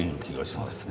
そうですね。